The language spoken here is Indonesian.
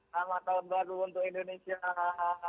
selamat tahun baru untuk indonesia